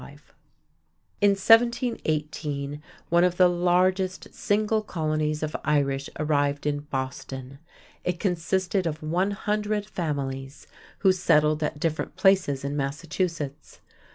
In 1718, one of the largest single colonies of Irish arrived in Boston. It consisted of one hundred families, who settled at different places in Massachusetts.